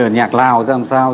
nhạc lào ra làm sao